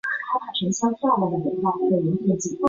战局迅速向不利于南方的方向发展。